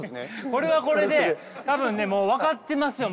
これはこれで多分ねもう分かってますよ！